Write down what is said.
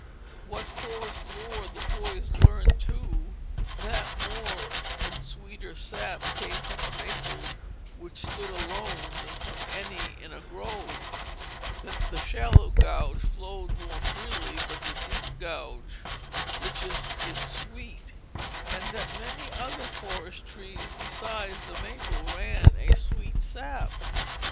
What forest lore the boys learned, too: that more and sweeter sap came from a maple which stood alone than from any in a grove; that the shallow gouge flowed more freely, but the deep gouge was richest in sweet; and that many other forest trees besides the maple ran a sweet sap.